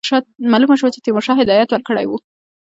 معلومه شوه چې تیمورشاه هدایت ورکړی وو.